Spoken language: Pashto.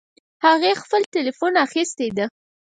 هغې خپل ټیلیفون اخیستی ده